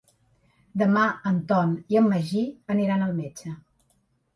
Demà en Tom i en Magí aniran al metge.